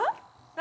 何？